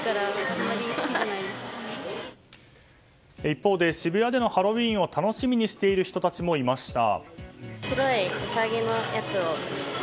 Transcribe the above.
一方で渋谷でのハロウィーンを楽しみにしている人たちもいました。